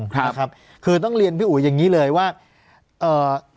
ครับนะครับคือต้องเรียนพี่อุ๋ยอย่างงี้เลยว่าเอ่อ